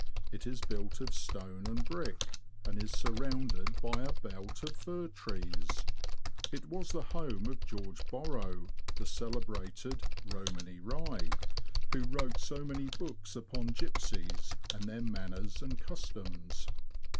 It is built of stone and brick, and is sur rounded by a belt of fir trees. It was the home of George Borrow, the celebrated *' Romany Rye," who wrote so many books upon gipsies, and their manners and customs.